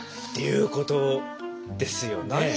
っていうことですよね。